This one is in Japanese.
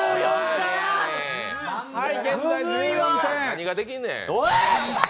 何ができんねん。